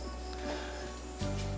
terus mau dihabis berantem sama aku